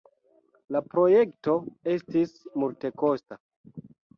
La projekto estis multekosta.